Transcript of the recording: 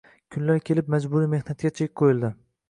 Kunlar kelib majburiy mehnatga chek qo‘yildi.